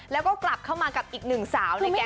แล้วก็กลับเข้ามากับอีกหนึ่งสาวในแก๊ง